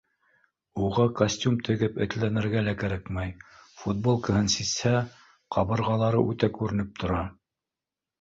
Уға костюм тегеп этләнергә лә кәрәкмәй, футболкаһын сисһә — ҡабырғалары үтә күренеп тора.